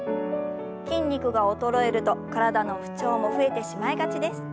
筋肉が衰えると体の不調も増えてしまいがちです。